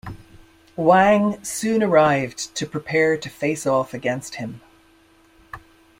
Wang soon arrived to prepare to face off against him.